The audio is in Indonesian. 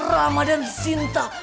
rama dan sinta